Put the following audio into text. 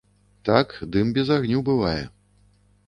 Так, дым без агню бывае.